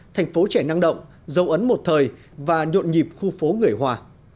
thành phố trẻ năng động dấu ấn một thời và nhộn nhịp khu phố người hòa